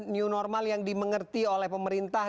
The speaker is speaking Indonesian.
new normal yang dimengerti oleh pemerintah